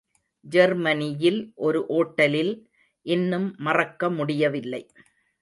ஜெர்மனியில் ஒரு ஓட்டலில் இன்னும் மறக்க முடியவில்லை.